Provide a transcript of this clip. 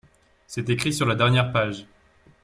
C’est écrit sur la dernière page.